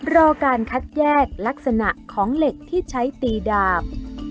รอการคัดแยกลักษณะของเหล็กที่ใช้ตีดาบ